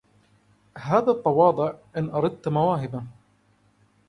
هذا التواضع إن أردت مواهبا